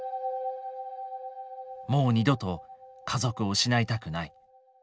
「もう二度と家族を失いたくない」。